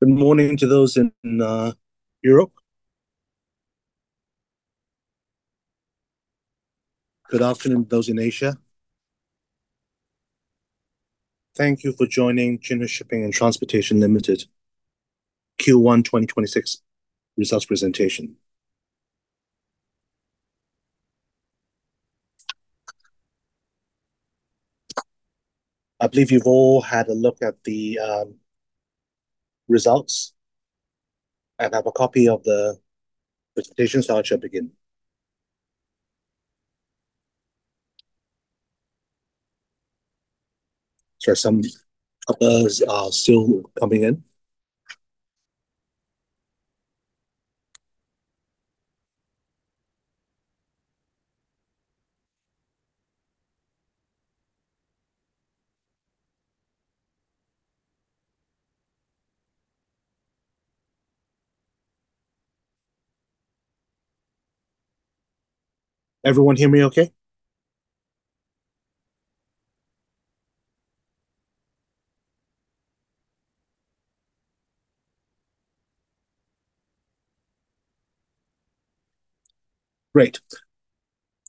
Good morning to those in Europe. Good afternoon, those in Asia. Thank you for joining Jinhui Shipping and Transportation Limited Q1 2026 results presentation. I believe you've all had a look at the results and have a copy of the presentation, so I shall begin. Sure some others are still coming in. Everyone hear me okay? Great.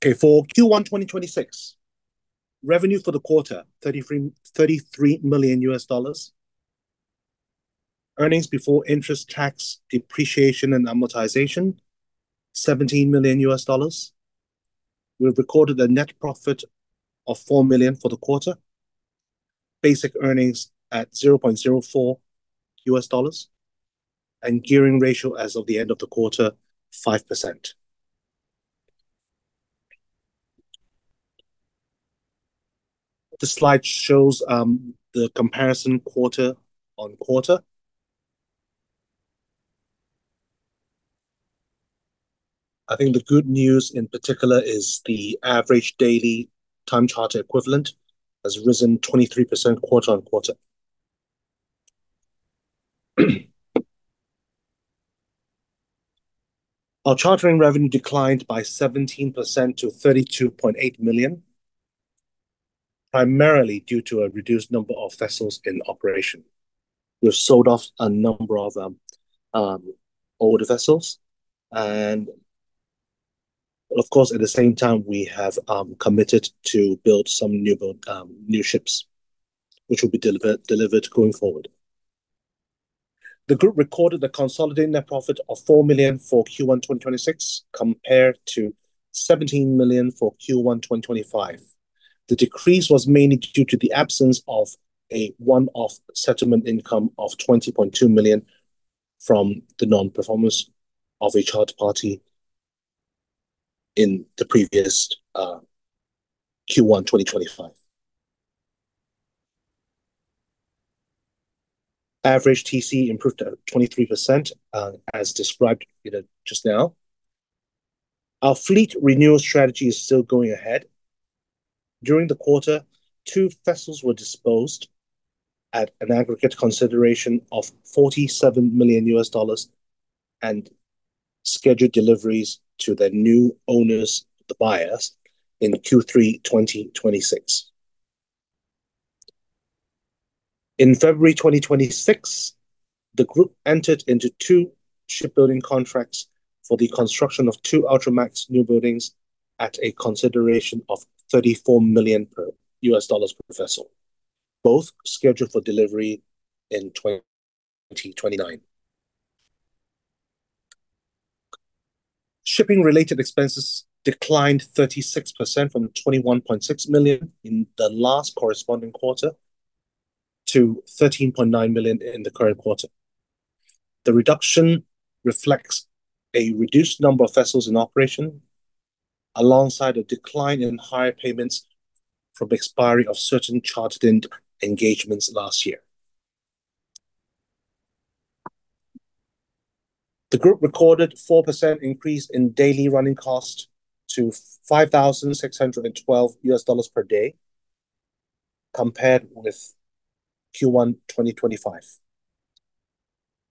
Okay. For Q1 2026, revenue for the quarter, $33 million. Earnings before interest, tax depreciation, and amortization, $17 million. We've recorded a net profit of $4 million for the quarter. Basic earnings at $0.04, and gearing ratio as of the end of the quarter, 5%. The slide shows the comparison quarter-on-quarter. I think the good news in particular is the average daily time charter equivalent has risen 23% quarter-on-quarter. Our chartering revenue declined by 17% to $32.8 million, primarily due to a reduced number of vessels in operation. We've sold off a number of older vessels and, of course, at the same time we have committed to build some new ships, which will be delivered going forward. The group recorded a consolidated net profit of $4 million for Q1 2026 compared to $17 million for Q1 2025. The decrease was mainly due to the absence of a one-off settlement income of $20.2 million from the non-performance of a charter party in the previous Q1 2025. Average TC improved at 23%, as described just now. Our fleet renewal strategy is still going ahead. During the quarter, two vessels were disposed at an aggregate consideration of $47 million and scheduled deliveries to their new owners, the buyers, in Q3 2026. In February 2026, the group entered into two shipbuilding contracts for the construction of two Ultramax newbuildings at a consideration of $34 million per vessel, both scheduled for delivery in 2029. Shipping-related expenses declined 36% from $21.6 million in the last corresponding quarter to $13.9 million in the current quarter. The reduction reflects a reduced number of vessels in operation alongside a decline in higher payments from expiry of certain chartered engagements last year. The group recorded 4% increase in daily running cost to $5,612 per day compared with Q1 2025.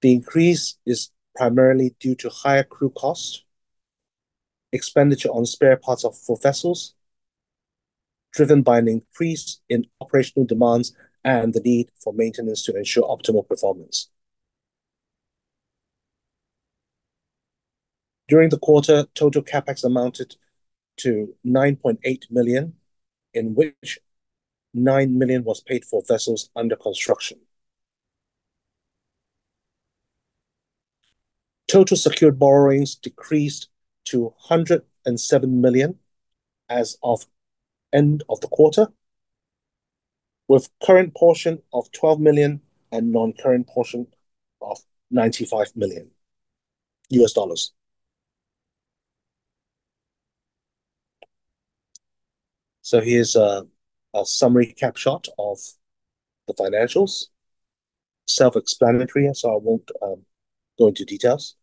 The increase is primarily due to higher crew cost, expenditure on spare parts for vessels driven by an increase in operational demands and the need for maintenance to ensure optimal performance. During the quarter, total CapEx amounted to $9.8 million, in which $9 million was paid for vessels under construction. Total secured borrowings decreased to $107 million as of end of the quarter, with current portion of $12 million and non-current portion of $95 million. Here's a summary catshot of the financials. Self-explanatory, so I won't go into details.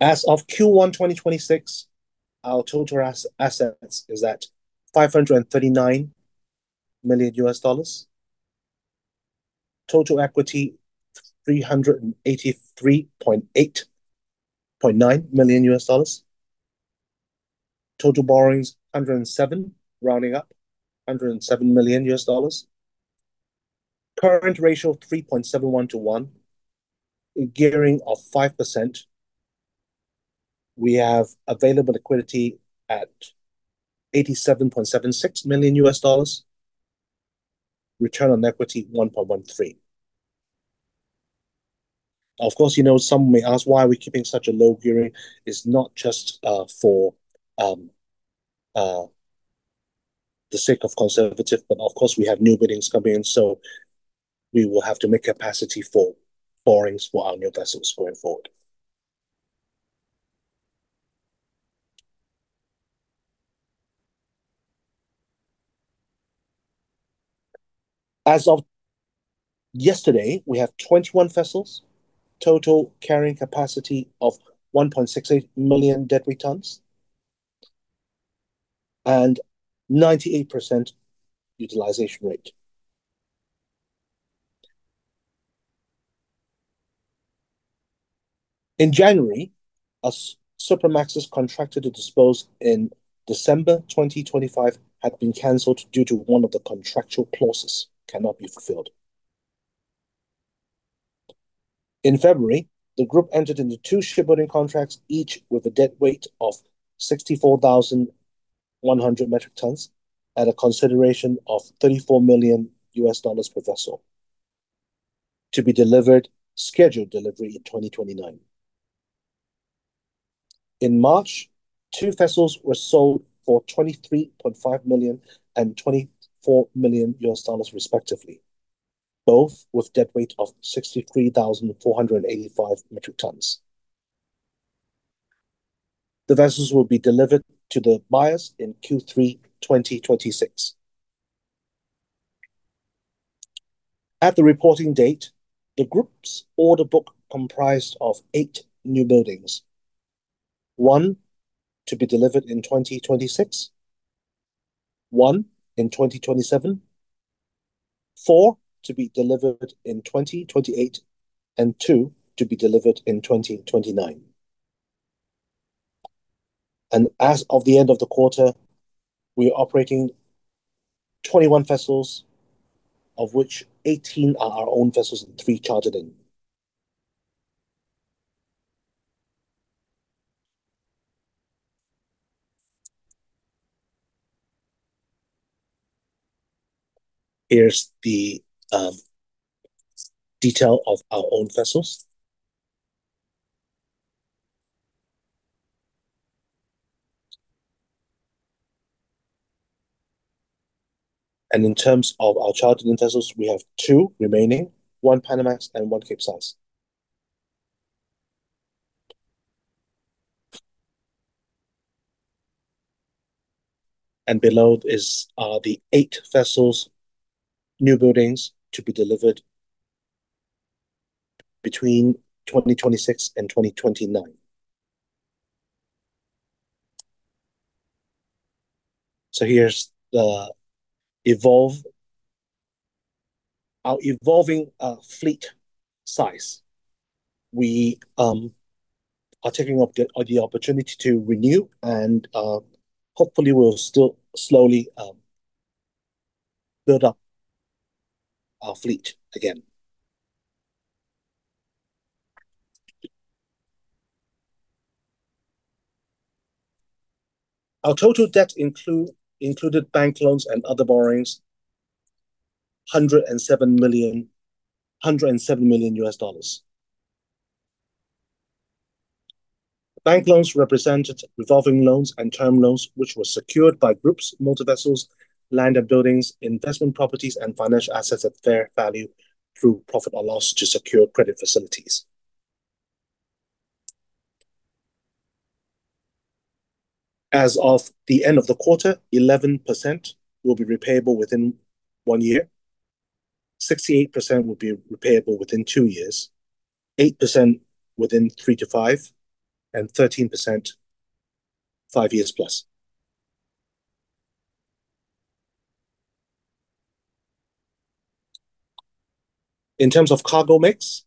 As of Q1 2026, our total assets is at $539 million. Total equity, $383.9 million. Total borrowings, $107 million, rounding up, $107 million. Current ratio 3.71:1. Gearing of 5%. We have available liquidity at $87.76 million. Return on equity 1.13% Of course, some may ask why we're keeping such a low gearing. It's not just for the sake of conservative, but of course, we have newbuildings coming in, so we will have to make capacity for borrowings for our new vessels going forward. As of yesterday, we have 21 vessels, total carrying capacity of 1.68 million deadweight tons and 98% utilization rate. In January, a Supramax contracted to dispose in December 2025 had been canceled due to one of the contractual clauses cannot be fulfilled. In February, the group entered into two shipbuilding contracts, each with a deadweight of 64,100 metric tons at a consideration of $34 million per vessel to be delivered scheduled delivery in 2029. In March, two vessels were sold for $23.5 million and $24 million respectively, both with deadweight of 63,485 metric tons. The vessels will be delivered to the buyers in Q3 2026. At the reporting date, the group's order book comprised of eight new buildings. One to be delivered in 2026, one in 2027, four to be delivered in 2028, and two to be delivered in 2029. As of the end of the quarter, we are operating 21 vessels, of which 18 are our own vessels and three chartered in. Here's the detail of our own vessels. In terms of our chartered-in vessels, we have two remaining, one Panamax and one Capesize. Below are the eight vessels, newbuildings to be delivered between 2026 and 2029. Here's our evolving fleet size. We are taking up the opportunity to renew and hopefully we'll still slowly build up our fleet again. Our total debt included bank loans and other borrowings, $107 million. Bank loans represented revolving loans and term loans which were secured by groups, multi-vessels, land and buildings, investment properties, and financial assets at fair value through profit or loss to secure credit facilities. As of the end of the quarter, 11% will be repayable within one year, 68% will be repayable within two years, 8% within three to five, and 13%, five years plus. In terms of cargo mix,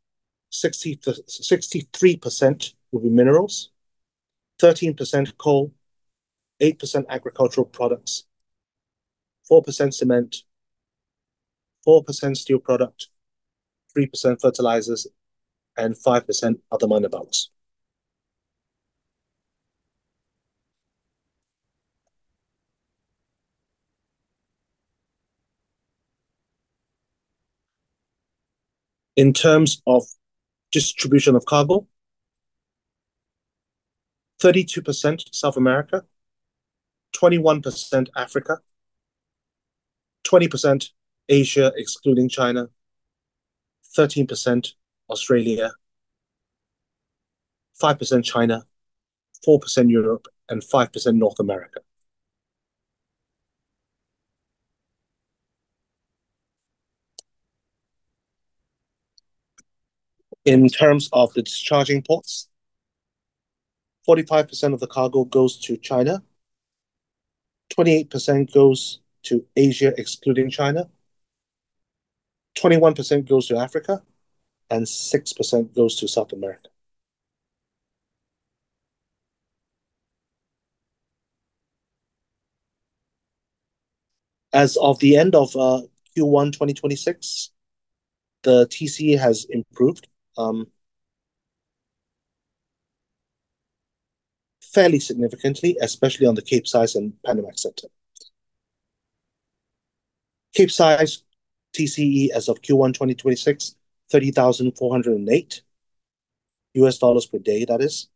63% will be minerals, 13% coal, 8% agricultural products, 4% cement, 4% steel product, 3% fertilizers, and 5% other minor balance. In terms of distribution of cargo, 32% South America, 21% Africa, 20% Asia excluding China, 13% Australia, 5% China, 4% Europe and 5% North America. In terms of the discharging ports, 45% of the cargo goes to China, 28% goes to Asia excluding China, 21% goes to Africa, and 6% goes to South America. As of the end of Q1 2026, the TCE has improved fairly significantly, especially on the Capesize and Panamax sector. Capesize TCE as of Q1 2026, $30,408 per day, that is.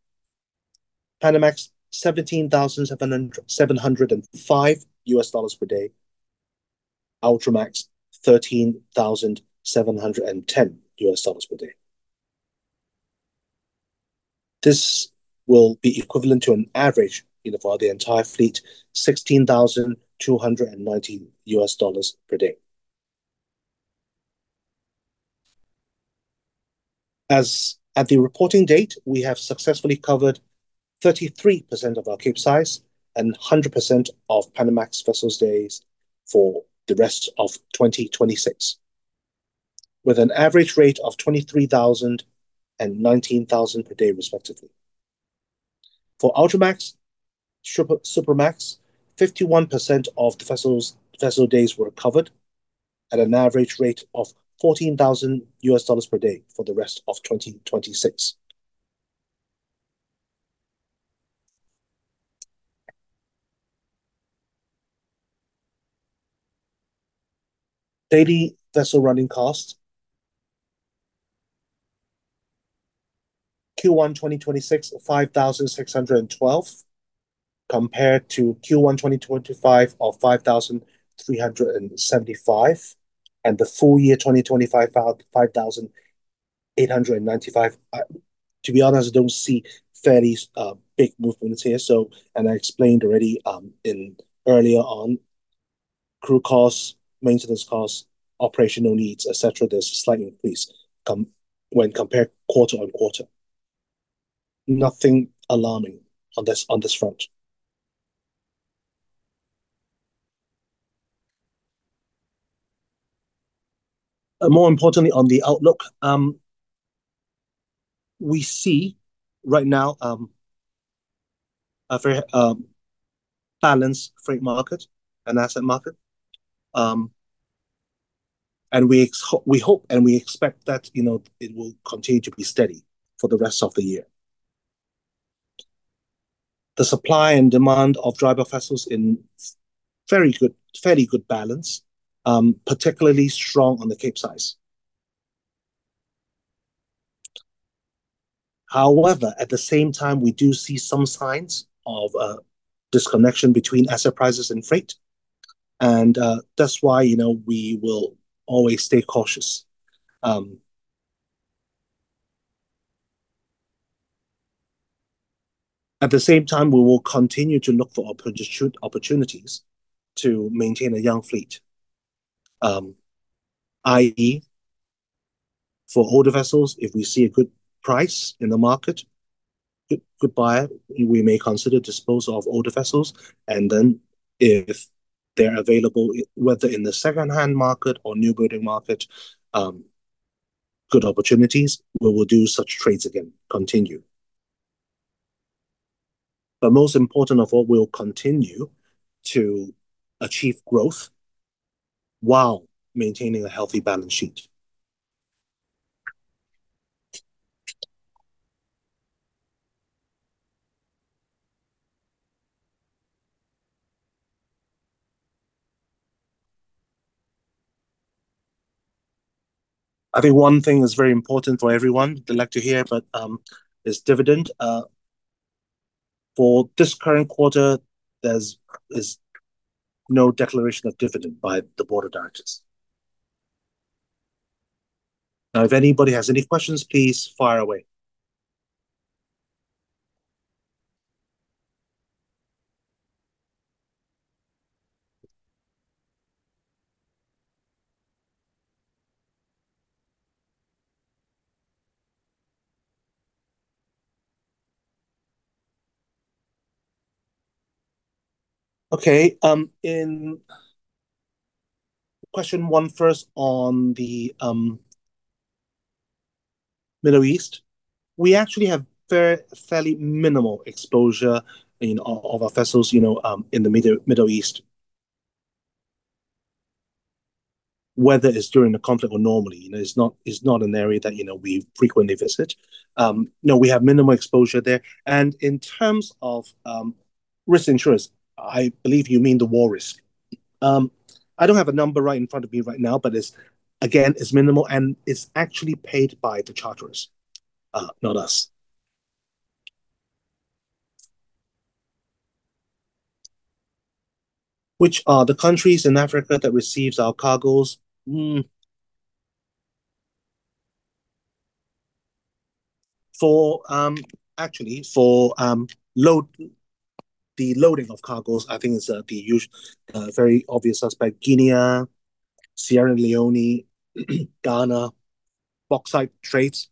Panamax, $17,705 per day. Ultramax, $13,710 per day. This will be equivalent to an average for the entire fleet, $16,290 per day. As at the reporting date, we have successfully covered 33% of our Capesize and 100% of Panamax vessel days for the rest of 2026, with an average rate of $23,000 and $19,000 per day respectively. For Ultramax, Supramax, 51% of the vessel days were covered at an average rate of $14,000 per day for the rest of 2026. Daily vessel running cost. Q1 2026, $5,612 compared to Q1 2025 of $5,375, and the full year 2025, $5,895. To be honest, I don't see fairly big movements here. I explained already earlier on crew costs, maintenance costs, operational needs, et cetera. There's a slight increase when compared quarter-on-quarter. Nothing alarming on this front. More importantly, on the outlook. We see right now a very balanced freight market and asset market. We hope and we expect that it will continue to be steady for the rest of the year. The supply and demand of dry bulk vessels in fairly good balance, particularly strong on the Capesize. However, at the same time, we do see some signs of a disconnection between asset prices and freight. That's why we will always stay cautious. At the same time, we will continue to look for opportunities to maintain a young fleet. I.e., for older vessels, if we see a good price in the market, good buyer, we may consider dispose of older vessels, and then if they're available, whether in the second-hand market or new building market, good opportunities, we will do such trades again. Continue. Most important of all, we will continue to achieve growth while maintaining a healthy balance sheet. I think one thing that's very important for everyone, they like to hear, but is dividend. For this current quarter, there's no declaration of dividend by the board of directors. If anybody has any questions, please fire away. Okay. In question one first on the Middle East. We actually have fairly minimal exposure of our vessels in the Middle East. Whether it's during the conflict or normally. It's not an area that we frequently visit. No, we have minimal exposure there. In terms of risk insurance, I believe you mean the war risk. I don't have a number right in front of me right now, but, again, it's minimal, and it's actually paid by the charterers, not us. Which are the countries in Africa that receives our cargoes? Actually, for the loading of cargoes, I think it's the very obvious suspect, Guinea, Sierra Leone, Ghana, bauxite trades.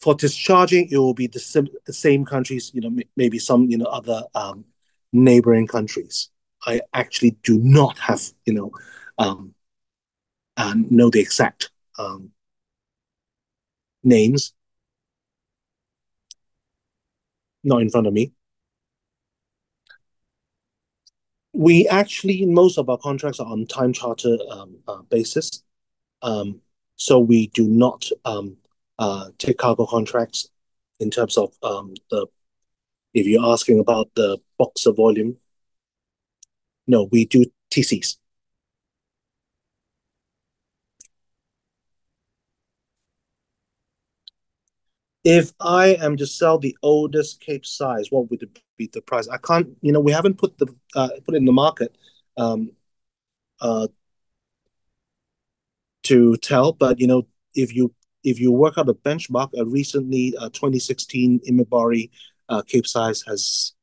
For discharging, it will be the same countries, maybe some other neighboring countries. I actually do not know the exact names. Not in front of me. Actually, most of our contracts are on time charter basis. We do not take cargo contracts in terms of if you're asking about the bauxite volume. No, we do TCs. If I am to sell the oldest Capesize, what would be the price? We haven't put it in the market to tell, but if you work out a benchmark, a recent 2016 Imabari Capesize has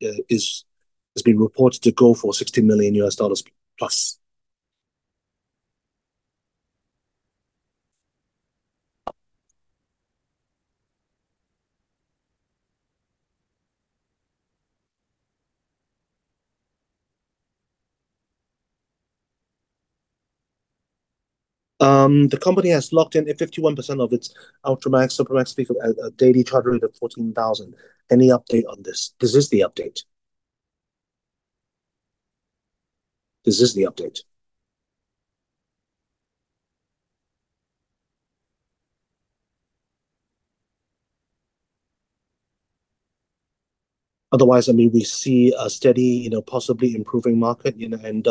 been reported to go for $60 million+. The company has locked in at 51% of its Ultramax, Supramax at a daily charter rate of $14,000. Any update on this? This is the update. Otherwise, we see a steady, possibly improving market, and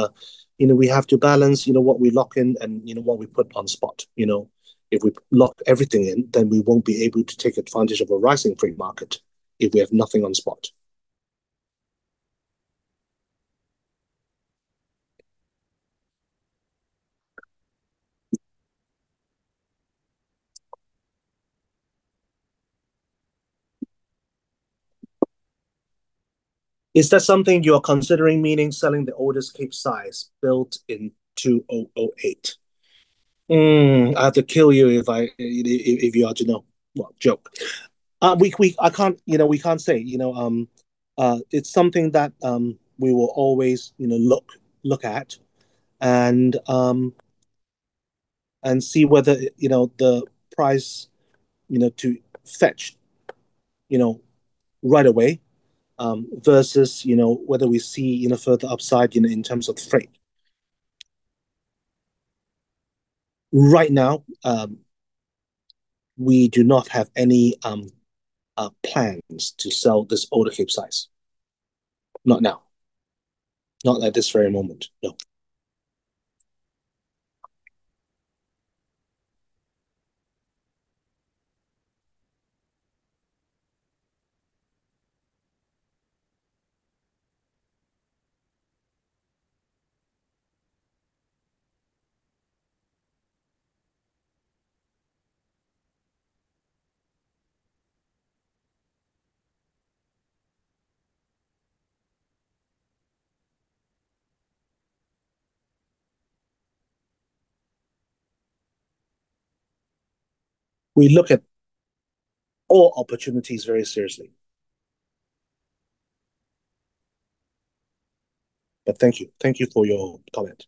we have to balance what we lock in and what we put on spot. If we lock everything in, then we won't be able to take advantage of a rising freight market if we have nothing on spot. Is that something you're considering, meaning selling the oldest Capesize built in 2008? Hmm. I have to kill you if you are to know. Joke. We can't say. It's something that we will always look at and see whether the price to fetch right away, versus whether we see further upside in terms of freight. Right now, we do not have any plans to sell this older Capesize. Not now. Not at this very moment, no. We look at all opportunities very seriously. But thank you. Thank you for your comment.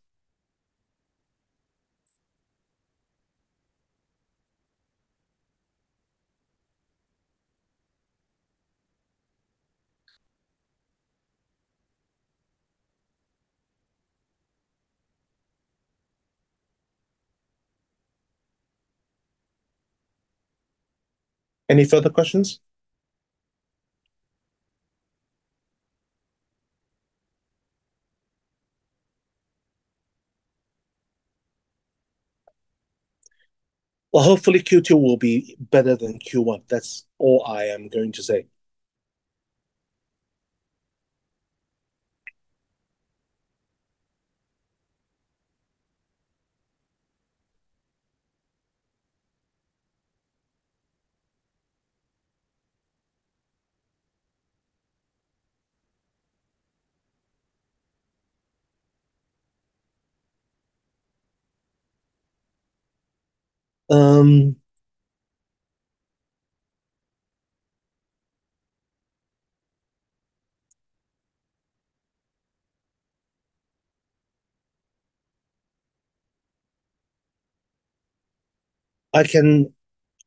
Any further questions? Hopefully Q2 will be better than Q1. That's all I am going to say. I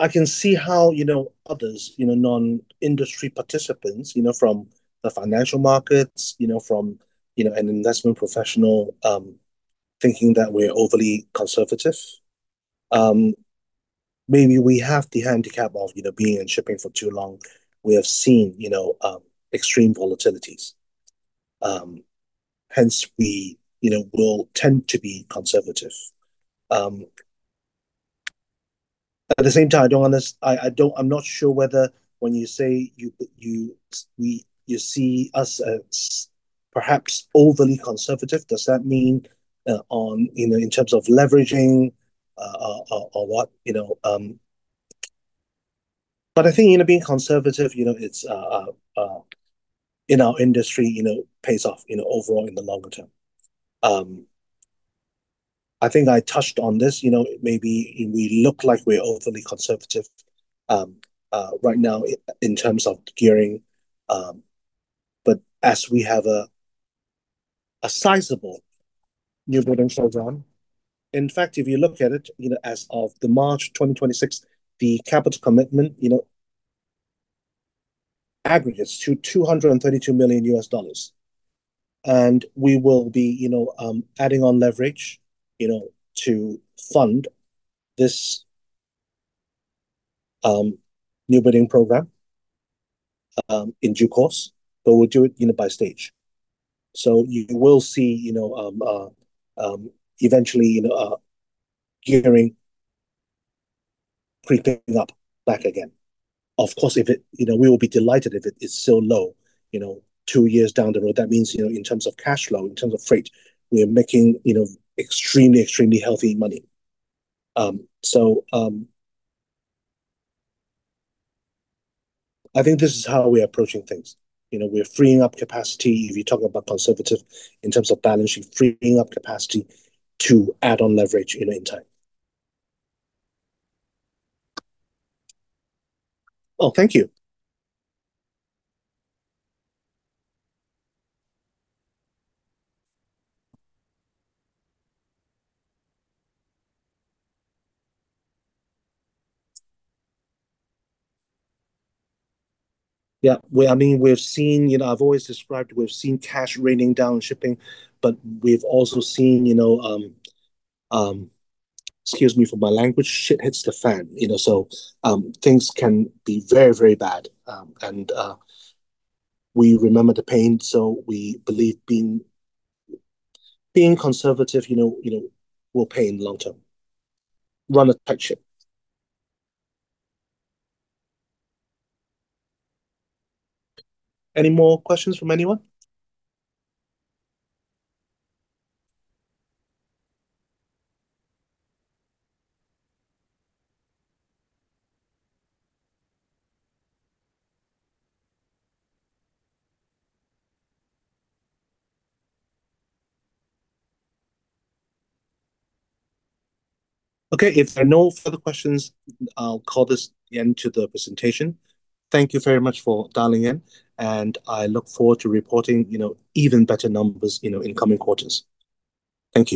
can see how others, non-industry participants from the financial markets, from an investment professional, thinking that we're overly conservative. Maybe we have the handicap of being in shipping for too long. We have seen extreme volatilities. Hence, we will tend to be conservative. At the same time, I'm not sure whether when you say you see us as perhaps overly conservative, does that mean in terms of leveraging or what? I think being conservative in our industry pays off overall in the longer term. I think I touched on this. Maybe we look like we're overly conservative right now in terms of gearing. As we have a sizable newbuilding program, in fact, if you look at it, as of the March 2026, the capital commitment aggregates to $232 million. We will be adding on leverage to fund this newbuilding program in due course, but we'll do it by stage. You will see eventually gearing creeping up back again. Of course, we will be delighted if it is still low two years down the road. That means, in terms of cash flow, in terms of freight, we are making extremely healthy money. I think this is how we're approaching things. We're freeing up capacity. If you're talking about conservative in terms of balancing, freeing up capacity to add on leverage in time. Well, thank you. Yeah. I've always described we've seen cash raining down shipping, but we've also seen, excuse me for my language, shit hits the fan. Things can be very bad. We remember the pain, so we believe being conservative will pay in the long term. Run a tight ship. Any more questions from anyone? Okay, if there are no further questions, I'll call this the end to the presentation. Thank you very much for dialing in, and I look forward to reporting even better numbers in coming quarters. Thank you